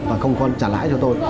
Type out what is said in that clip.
và không còn trả lãi cho tôi